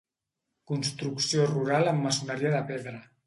Construcció rural amb maçoneria de pedra.